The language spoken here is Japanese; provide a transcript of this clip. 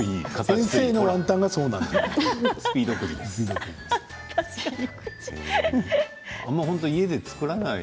先生のワンタンがそうなんじゃない？